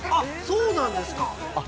◆そうなんですね！